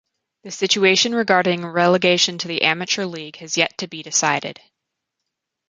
The situation regarding relegation to the Amateur League has yet to be decided.